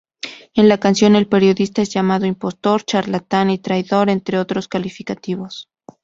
En la canción el periodista es llamado impostor, charlatán y traidor, entre otros calificativos.